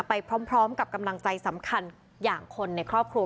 ไปพร้อมกับกำลังใจสำคัญอย่างคนในครอบครัว